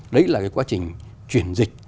đấy là quá trình chuyển dịch